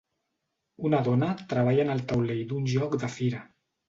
Una dona treballa en el taulell d'un joc de fira